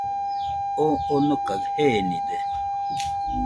Oo onokaɨ jenide.